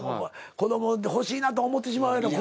子供欲しいなと思ってしまうよな